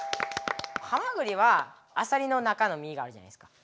ハマグリはアサリの中の身があるじゃないですか